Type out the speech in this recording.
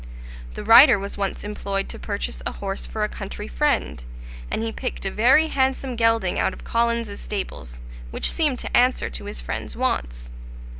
The writer was once employed to purchase a horse for a country friend, and he picked a very handsome gelding out of Collins's stables, which seemed to answer to his friend's wants.